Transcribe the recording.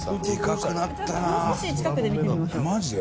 マジで？